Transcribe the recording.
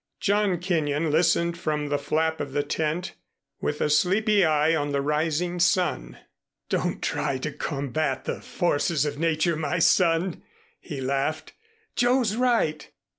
John Kenyon listened from the flap of the tent, with a sleepy eye on the rising sun. "Don't try to combat the forces of nature, my son," he laughed. "Joe's right!